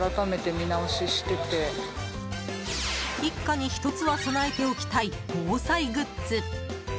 一家に１つは備えておきたい防災グッズ。